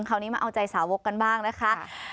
คราวนี้มาเอาใจสาวกกันบ้างนะคะ